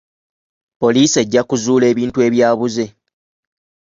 Poliisi ejja kuzuula ebintu ebyabuze.